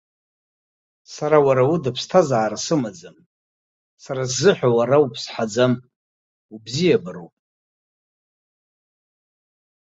Сара уара уда ԥсҭазаара сымаӡам, сара сзыҳәа уара уԥсҳаӡам, убзиабароуп.